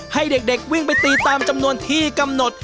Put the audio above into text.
ให้เด็กวิ่งไปตีตามจำนวนที่กำหนด